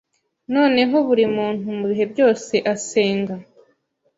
Noneho buri muntu mubihe byose Asenga